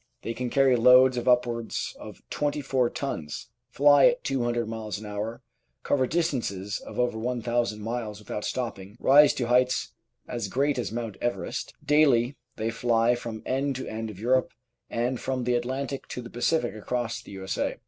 They can carry loads of upwards of 24 tons, fly at 200 miles an hour, cover distances of over 1,000 miles without stopping, rise to heights as great as Mount Everest. Daily they fly from end to end of Europe and from the Atlantic to the Pacific across the U.S.A.